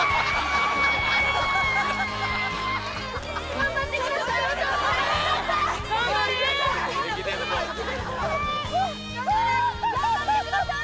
頑張ってください。